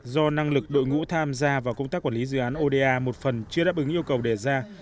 do năng lực đội ngũ tham gia vào công tác quản lý dự án oda một phần chưa đáp ứng yêu cầu đề ra